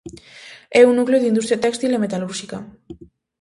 É un núcleo de industria téxtil e metalúrxica.